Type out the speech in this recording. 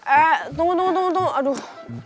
eh tunggu tunggu tunggu tuh aduh